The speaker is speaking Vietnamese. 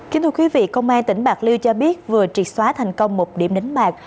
kính thưa quý vị công an tỉnh bạc liêu cho biết vừa triệt xóa thành công một điểm đánh bạc